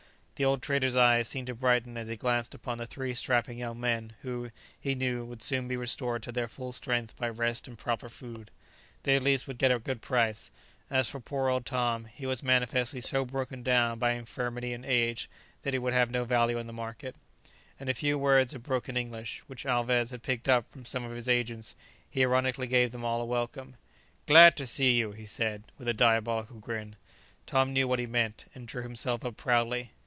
The old trader's eyes seemed to brighten as he glanced upon the three strapping young men who, he knew, would soon be restored to their full strength by rest and proper food. They at least would get a good price; as for poor old Tom, he was manifestly so broken down by infirmity and age, that he would have no value in the market. In a few words of broken English, which Alvez had picked up from some of his agents, he ironically gave them all a welcome. "Glad to see you!" he said, with a diabolical grin. Tom knew what he meant, and drew himself up proudly.